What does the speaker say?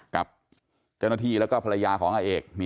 กับจังห่ะธีและภรรยาของอาเอกส์